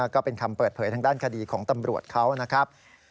ก็เป็นคำเปิดเผยทางด้านคดีของตำรวจเขานะครับ